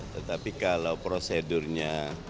tetapi kalau prosedurnya